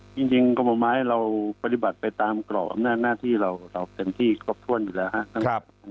จริงกรมป่าไม้เราปฏิบัติไปตามกรอบอำนาจหน้าที่เราเต็มที่ครบถ้วนอยู่แล้วครับ